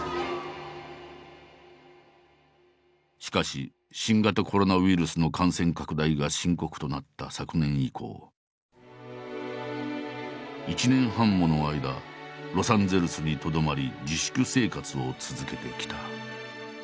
しかし新型コロナウイルスの感染拡大が深刻となった昨年以降１年半もの間ロサンゼルスにとどまり自粛生活を続けてきた。